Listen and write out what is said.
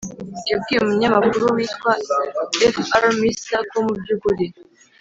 yabwiye umunyamakuru witwa Fr Misser ko mu by ukuri